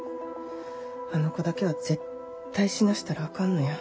あの子だけは絶対死なせたらあかんのや。